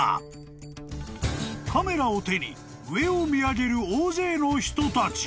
［カメラを手に上を見上げる大勢の人たち］